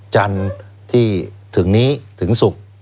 จันทุกวันนี้ถึงศุกร์